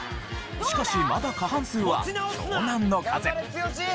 しかしまだ過半数は湘南乃風。